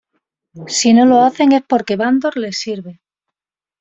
Si no lo hacen es porque Vandor les sirve.